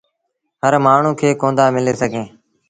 هر مآڻهوٚݩ کي ڪوندآ مليٚ سگھيٚن۔